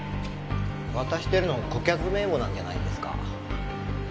渡してるの顧客名簿なんじゃないですか？